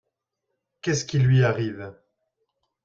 Qu'est-ce qui lui arrive ?